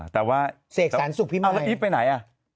เสกสารสุขพี่มาย